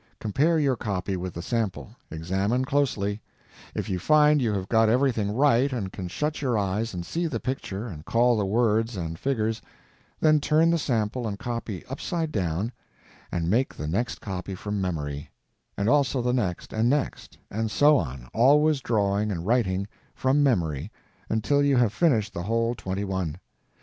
Compare your copy with the sample; examine closely; if you find you have got everything right and can shut your eyes and see the picture and call the words and figures, then turn the sample and copy upside down and make the next copy from memory; and also the next and next, and so on, always drawing and writing from memory until you have finished the whole twenty one.